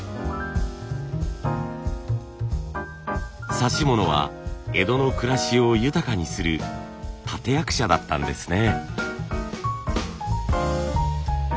指物は江戸の暮らしを豊かにする立て役者だったんですね。